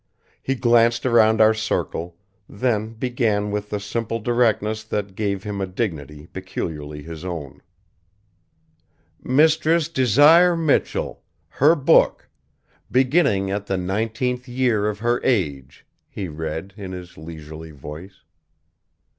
He glanced around our circle, then began with the simple directness that gave him a dignity peculiarly his own. "'Mistress Desire Michell, her booke, Beginning at the nineteenth year of her Age,'" he read, in his leisurely voice.